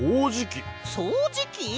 そうじき！？